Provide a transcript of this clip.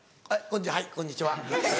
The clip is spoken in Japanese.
はいこんにちは。